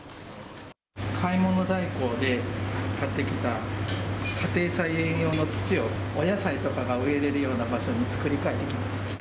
買い物代行で買ってきた家庭菜園用の土を、お野菜とかが植えれるような場所に作り変える。